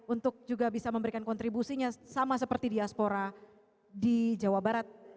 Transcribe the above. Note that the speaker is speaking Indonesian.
untuk juga bisa memberikan kontribusinya sama seperti diaspora di jawa barat